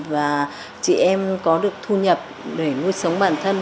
và chị em có được thu nhập để nuôi sống bản thân